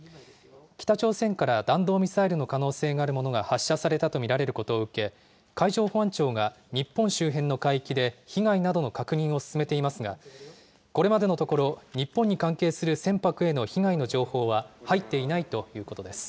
北朝鮮から弾道ミサイルの可能性があるものが発射されたと見られることを受け、海上保安庁が日本周辺の海域で、被害などの確認を進めていますが、これまでのところ、日本に関係する船舶への被害の情報は入っていないということです。